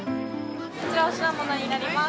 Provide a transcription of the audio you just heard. こちらお品物になります。